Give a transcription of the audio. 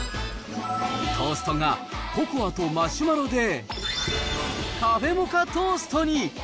トーストがココアとマシュマロで、カフェモカトーストに。